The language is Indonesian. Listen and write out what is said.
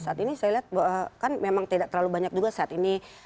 saat ini saya lihat kan memang tidak terlalu banyak juga saat ini